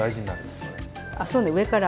そうね上から。